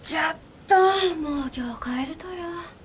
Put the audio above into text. どんもう今日帰るとよ